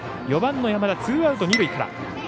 ４番の山田、ツーアウト二塁から。